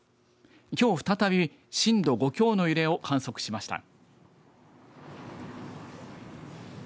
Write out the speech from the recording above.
きょう再び震度５強の揺れを観測しました。